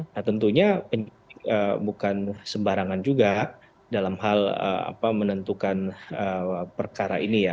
nah tentunya penyidik bukan sembarangan juga dalam hal menentukan perkara ini ya